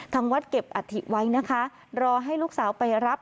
ทางวัดเก็บอัฐิไว้นะคะรอให้ลูกสาวไปรับ